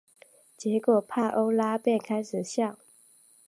结果帕欧拉便开始笑。